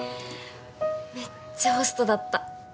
めっちゃホストだった。